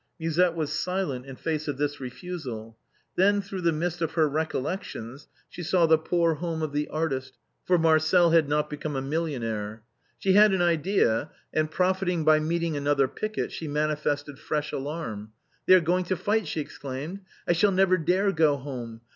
Musette was silent in face of this refusal. Then through the mist of her recollections she saw the poor home of the artist, for Marcel had not become a millionaire. She had an idea, and profiting by meeting another picket she man ifested fresh alarm, "They are going to fight," she exclaimed; "I shall never dare go home.